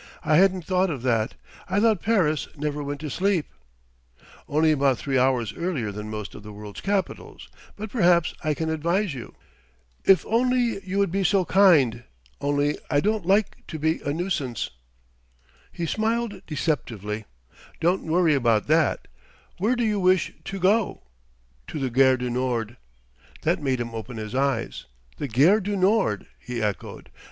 "I hadn't thought of that.... I thought Paris never went to sleep!" "Only about three hours earlier than most of the world's capitals.... But perhaps I can advise you " "If you would be so kind! Only, I don't like to be a nuisance " He smiled deceptively: "Don't worry about that. Where do you wish to go?" "To the Gare du Nord." That made him open his eyes. "The Gare du Nord!" he echoed.